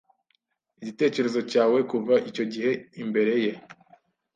Igitekerezo cyawe kuva icyo gihe imbere ye